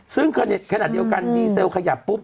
ซึ่งขนาดเดียวกันดีเซลขยับปุ๊บ